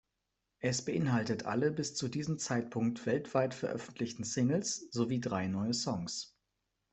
Es beinhaltet alle bis zu diesem Zeitpunkt weltweit veröffentlichten Singles sowie drei neue Songs.